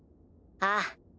ああ。